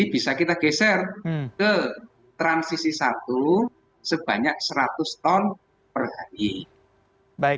bisa kita geser ke transisi satu sebanyak seratus ton per hari